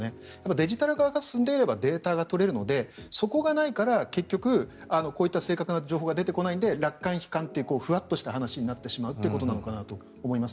デジタル化が進んでいればデータが取れるのでそこがないから結局こういった正確な情報が出てこないので楽観悲観というふわっとした話になっていくんだと思います。